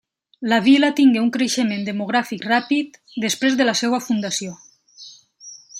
La vila tingué un creixement demogràfic ràpid després de la seva fundació.